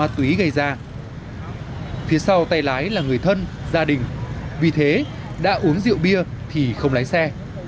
sự ý gây ra phía sau tay lái là người thân gia đình vì thế đã uống rượu bia thì không lái xe